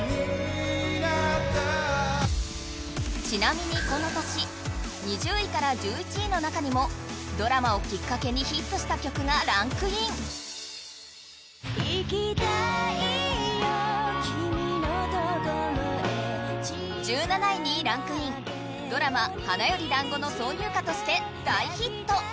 ちなみにこの年２０位から１１位の中にもドラマをきっかけにヒットした曲がランクイン１７位にランクインドラマ「花より男子」の挿入歌として大ヒット！